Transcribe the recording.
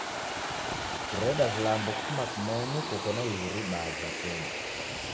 Kureda vilambo kufuma kimonu koko na iguri ibaa ja kodi.